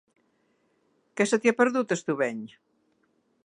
Què se t'hi ha perdut, a Estubeny?